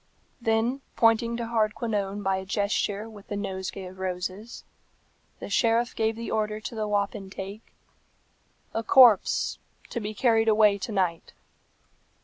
Then pointing to Hardquanonne by a gesture with the nosegay of roses, the sheriff gave the order to the wapentake, "A corpse to be carried away to night."